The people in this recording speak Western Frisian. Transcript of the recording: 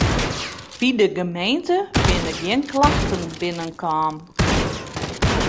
By de gemeente binne gjin klachten binnen kaam.